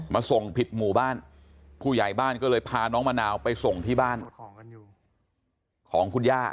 มาส่งผิดหมู่บ้านผู้ใหญ่บ้านก็เลยพาน้องมะนาวไปส่งที่บ้านของคุณย่า